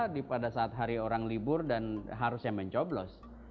di pada saat hari orang libur dan harusnya mencoblos